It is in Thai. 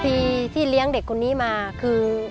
ที่เลี้ยงเด็กคนนี้มาคือ